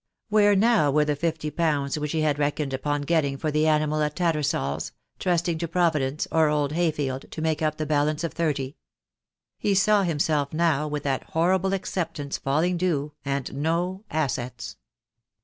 Where now were the fifty pounds which he had reckoned upon getting for the animal at Tattersall's, trust ing to Providence, or old Hayfield, to make up the 2 2 THE DAY WILL COME. balance of thirty. He saw himself now with that horrible acceptance falling due and no assets.